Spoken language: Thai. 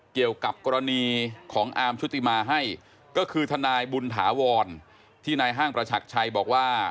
เกี่ยวกับกรณีของอาร์มชุติมาให้ก็คือทนายบุญถาวรที่นายห้างประชักชัยบอกว่า